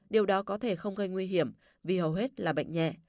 điều đó có thể không gây nguy hiểm vì hầu hết là bệnh nhẹ